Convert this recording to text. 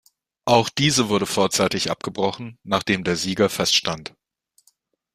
Auch diese wurde vorzeitig abgebrochen, nachdem der Sieger feststand.